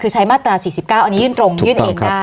คือใช้มาตราสี่สิบเก้าอันนี้ยื่นตรงยื่นเองได้ถูกต้องครับ